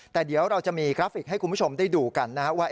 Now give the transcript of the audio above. แต่เดี๋ยวเราจะมีกราฟิกให้คุณผู้ชมได้ดูกันนะครับว่า